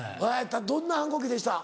どんな反抗期でした？